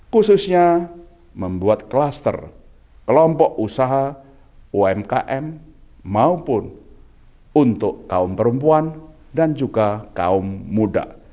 khususnya membuat klaster kelompok usaha umkm maupun untuk kaum perempuan dan juga kaum muda